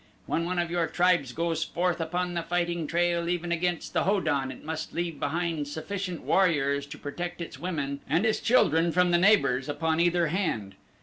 When one of your tribes goes forth upon the fighting trail, even against the Ho don, it must leave behind sufficient warriors to protect its women and its children from the neighbors upon either hand.